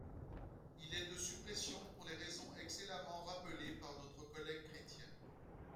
Il est de suppression, pour les raisons excellemment rappelées par notre collègue Chrétien.